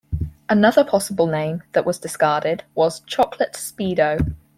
Another possible name that was discarded was Chocolate Speedo.